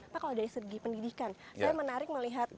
pak kalau dari segi pendidikan saya menarik melihat